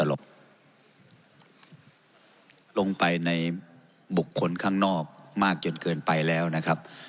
ลงไปในบุคคลข้างนอกมากจนเกินไปแล้วนะครับ